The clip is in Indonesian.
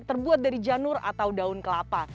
terbuat dari janur atau daun kelapa